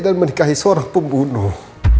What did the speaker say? dan menikahi seorang pembunuh